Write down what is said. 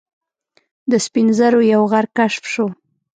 د سپین زرو یو غر کشف شو.